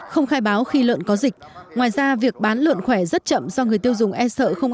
không khai báo khi lợn có dịch ngoài ra việc bán lợn khỏe rất chậm do người tiêu dùng e sợ không